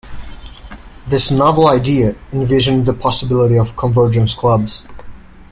This novel idea envisioned the possibility of convergence clubs.